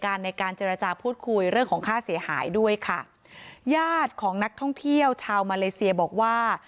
ในการเจรจาพูดคุยเรื่องของค่าเสียหายด้วยค่ะญาติของนักท่องเที่ยวชาวมาเลเซียบอกว่า